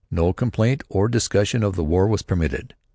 No complaint or discussion of the war was permitted.